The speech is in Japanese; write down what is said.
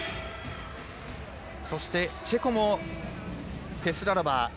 そして、チェコもペスラロバー。